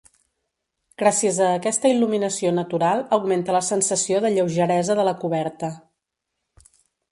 Gràcies a aquesta il·luminació natural, augmenta la sensació de lleugeresa de la coberta.